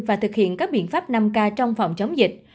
và thực hiện các biện pháp năm k trong phòng chống dịch